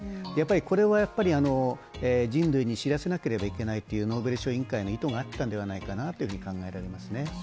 これはやっぱり人類に知らせなければいけないというノーベル賞委員会の意図があったのではないかと考えますね。